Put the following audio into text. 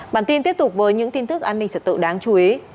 bản tin tiếp tục với những tin tức an ninh trật tự đáng chú ý